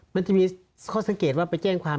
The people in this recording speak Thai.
มันจะมีข้อสังเกตว่าไปแจ้งความ